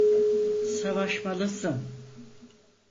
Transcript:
Savaşmalısın.